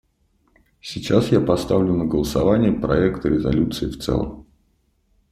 Сейчас я поставлю на голосование проект резолюции в целом.